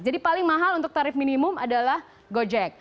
jadi paling mahal untuk tarif minimum adalah gojek